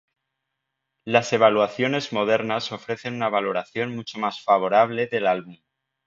Las evaluaciones modernas ofrecen una valoración mucho más favorable del álbum.